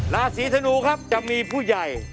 ราศีธนูครับจะมีผู้ใหญ่